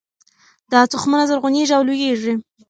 دا تخمونه زرغونیږي او لوییږي